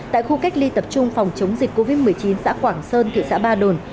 tại khu cách ly tập trung phòng chống dịch covid một mươi chín xã quảng sơn thị xã ba đồn